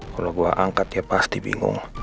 kalau gue angkat ya pasti bingung